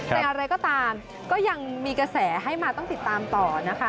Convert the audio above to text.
แต่อะไรก็ตามก็ยังมีกระแสให้มาต้องติดตามต่อนะคะ